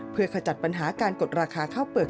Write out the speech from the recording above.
เพื่อขจัดปัญหาการกดราคาข้าวเปลือก